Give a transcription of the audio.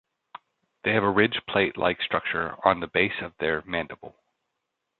They have a ridged plate-like structure on the base of their mandible.